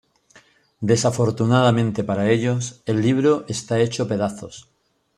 Desafortunadamente para ellos, el libro está hecho pedazos.